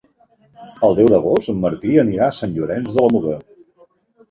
El deu d'agost en Martí anirà a Sant Llorenç de la Muga.